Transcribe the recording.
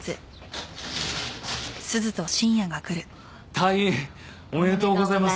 退院おめでとうございます！